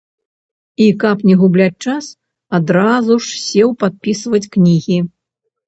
І, каб не губляць час, адразу ж сеў падпісваць кнігі.